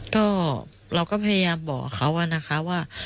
ก็เราก็พยายามบอกเขาอะนะคะว่า